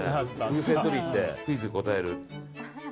風船取りに行ってクイズに答える。